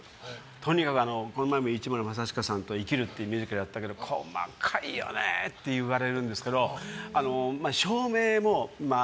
とにかくこの間も市村正親さんと「生きる」っていうミュージカルやったけど細かいよねって言われるんですけど照明も。